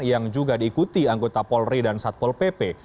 yang juga diikuti anggota polri dan satpol pp